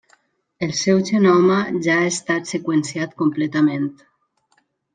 El seu genoma ja ha estat seqüenciat completament.